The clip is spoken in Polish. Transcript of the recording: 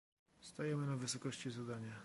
Stajemy na wysokości zadania